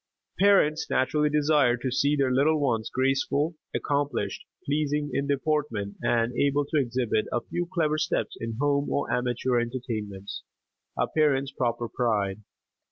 Parents naturally desire to see their little ones graceful, accomplished, pleasing in deportment, and able to exhibit a few clever steps in home or amateur entertainments a parent's proper pride.